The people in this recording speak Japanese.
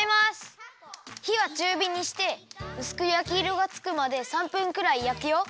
ひはちゅうびにしてうすく焼きいろがつくまで３分くらいやくよ。